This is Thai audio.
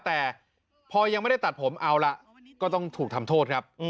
แต่พอยังไม่ได้ตัดผมเอาล่ะก็ต้องถูกทำโทษครับ